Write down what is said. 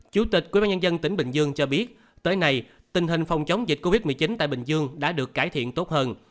chủ tịch quỹ ban nhân dân tỉnh bình dương cho biết tới nay tình hình phòng chống dịch covid một mươi chín tại bình dương đã được cải thiện tốt hơn